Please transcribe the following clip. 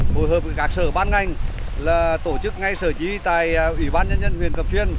phối hợp với các sở ban ngành là tổ chức ngay sở chỉ huy tại ủy ban nhân dân huyện cầm xuyên